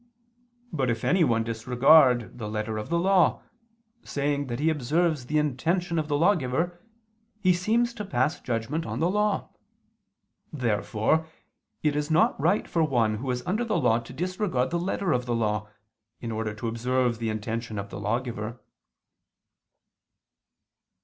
But if anyone disregard the letter of the law, saying that he observes the intention of the lawgiver, he seems to pass judgment on the law. Therefore it is not right for one who is under the law to disregard the letter of the law, in order to observe the intention of the lawgiver.